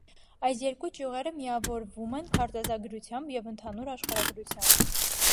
Այս երկու ճյուղերը միավորվում են քարտեզագրությամբ և ընդհանուր աշխարհագրությամբ։